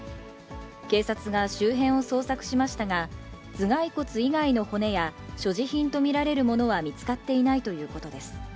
警察が周辺を捜索しましたが、頭蓋骨以外の骨や所持品と見られるものは見つかっていないということです。